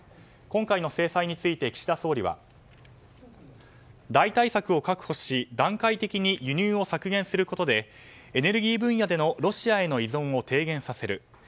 今回の制裁について岸田総理は、代替策を確保し段階的に輸入を削減することでエネルギー分野でのロシアへの依存を低減させる。